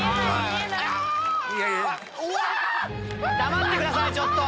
黙ってくださいちょっと。